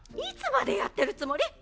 いつまでやってるつもり？